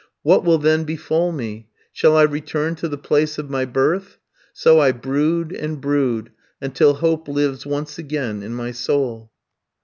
What will then befall me? Shall I return to the place of my birth? So I brood, and brood, until hope lives once again in my soul.